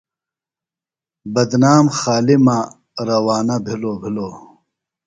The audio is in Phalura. بدنام خالیۡ مہ روزانہ بِھلوۡ بِھلوۡ۔